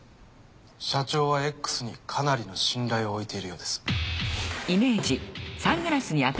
社長はＸにかなりの信頼を置いているようです。